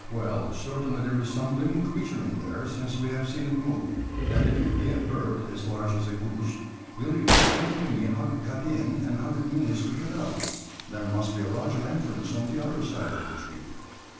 "Well, certainly there is some living creature in there, since we have seen it move; and if it be a bird as large as a goose, will you explain to me how it got in, and how it means to get out? There must be a larger entrance on the other side of the tree."